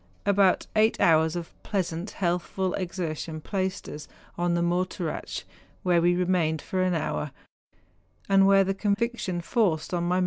About eight hours of pleasant, healthful exertion placed us on the Morteratsch, where we remained for an hour, and where the conviction forced on my THE PEAK OF MORTERATSCH.